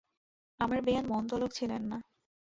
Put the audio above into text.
আমার বেয়ান মন্দ লোক ছিলেন না।